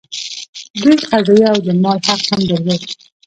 دوی قضايي او د مال حق هم درلود.